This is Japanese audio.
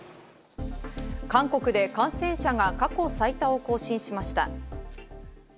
韓国で感染者が過去最多を更新しました。